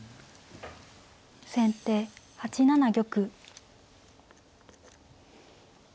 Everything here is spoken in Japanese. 先手８七玉。